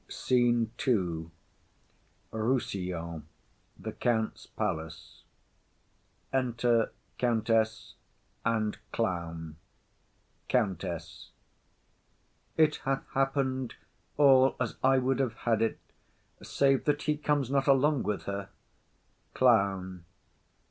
_] SCENE II. Rossillon. A room in the Countess's palace. Enter Countess and Clown. COUNTESS. It hath happen'd all as I would have had it, save that he comes not along with her. CLOWN.